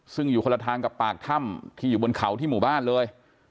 ซึ่งอยู่คนละทางกับปากถ้ำที่อยู่บนเขาที่หมู่บ้านเลย